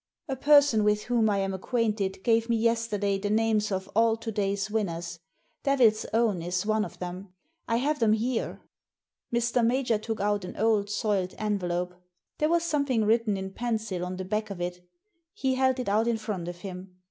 " ''A person with whom I am acquainted g^ve me yesterday the names of all to day's winners. Devil's Own is one of them. I have them here." Mr. Major took out an old, soiled envelope. There was some thing written in pencil on the back of it He held it out in front of him.